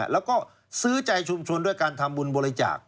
แล้วก็ซื้อใจชุมชนด้วยการทำบุญบริจาค